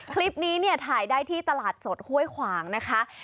คลิปนี้เนี่ยถ่ายได้ที่ตลาดสดห้วยขวางนะคะ